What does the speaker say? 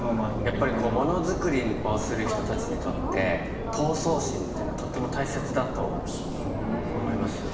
やっぱりものづくりをする人たちにとって闘争心っていうのはとっても大切だと思いますよね。